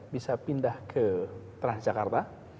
bisa pindah ke transjakarta